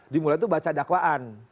dimulai itu baca dakwaan